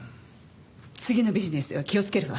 次のビジネスでは気をつけるわ。